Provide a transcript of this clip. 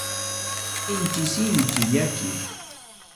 Sinchi sinchi llaki.